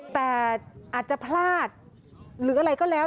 แต่อาจจะพลาดหรืออะไรก็แล้ว